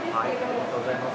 ありがとうございます。